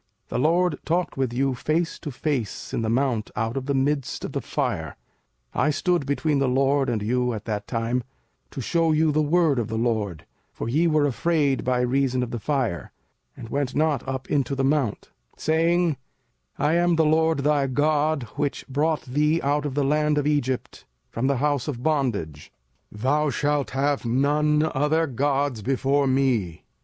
05:005:004 The LORD talked with you face to face in the mount out of the midst of the fire, 05:005:005 (I stood between the LORD and you at that time, to shew you the word of the LORD: for ye were afraid by reason of the fire, and went not up into the mount;) saying, 05:005:006 I am the LORD thy God, which brought thee out of the land of Egypt, from the house of bondage. 05:005:007 Thou shalt have none other gods before me.